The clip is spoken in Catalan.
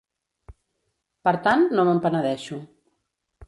Per tant, no me'n penedeixo.